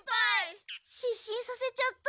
しっしんさせちゃった。